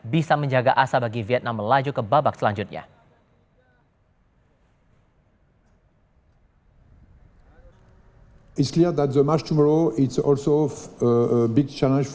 bisa menjaga asa bagi vietnam melaju ke babak selanjutnya